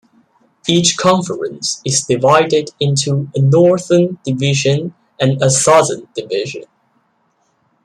Each conference is divided into a Northern Division and a Southern Division.